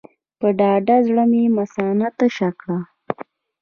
په ډاډه زړه مې مثانه تشه کړه.